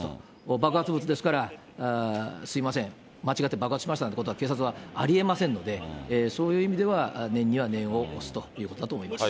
爆発物ですから、すみません、間違って爆発しましたなんてことは、警察はありえませんので、そういう意味では、念には念を押すということだと思います。